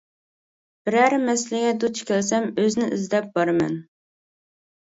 بىرەر مەسىلىگە دۇچ كەلسەم ئۆزىنى ئىزدەپ بارىمەن.